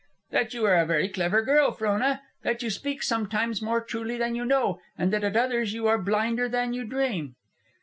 "That you are a very clever girl, Frona. That you speak sometimes more truly than you know, and that at others you are blinder than you dream."